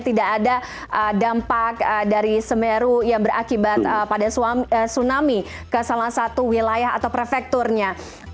tidak ada dampak dari semeru yang berakibat pada tsunami ke salah satu wilayah atau prefekturnya